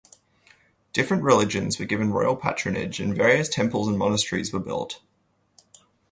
Different religions were given royal patronage and various temples and monasteries were built.